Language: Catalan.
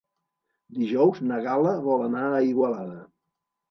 Dijous na Gal·la vol anar a Igualada.